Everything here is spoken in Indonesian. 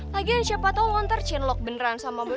lagian siapa tau lo ntar cienlok beneran sama boy